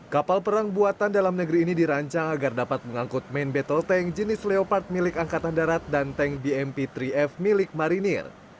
kapal perang buatan dalam negeri ini dirancang agar dapat mengangkut main battle tank jenis leopard milik angkatan darat dan tank bmp tiga f milik marinir